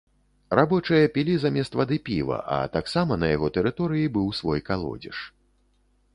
Рабочыя пілі замест вады, піва, а таксама на яго тэрыторыі быў свой калодзеж.